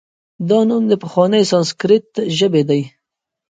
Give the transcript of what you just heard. دا نوم د پخوانۍ سانسکریت ژبې دی